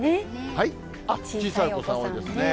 小さいお子さん多いですね。